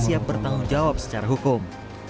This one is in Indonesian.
pertama dia bertanggung jawab secara hukum